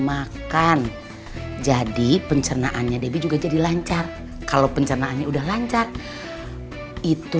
makan jadi pencernaannya debbie juga jadi lancar kalau pencernaannya udah lancar itu